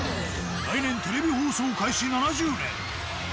来年、テレビ放送開始７０年。